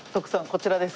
こちらです。